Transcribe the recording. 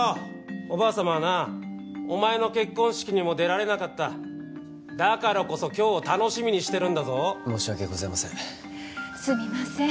おばあ様はなお前の結婚式にも出られなかっただからこそ今日を楽しみにしてるんだぞ申し訳ございませんすみません